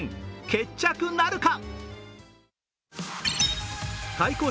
決着なるか？